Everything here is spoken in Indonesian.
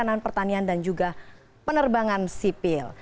di kanan pertanian dan juga penerbangan sipil